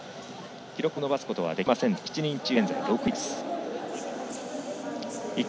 記録を伸ばすことはできませんでした。